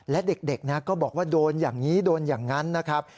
และเด็กนะก็บอกว่าโดนอย่างนี้โดนอย่างนั้นนะครับ